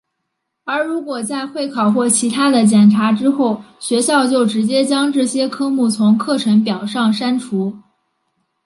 而如果在会考或其它的检查之后学校就直接将这些科目从课程表上删除。